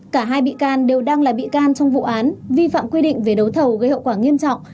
cả hai bị can đều đang là bị can trong vụ án vi phạm quy định về đấu thầu gây hậu quả nghiêm trọng